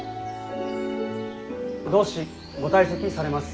ご導師ご退席されます。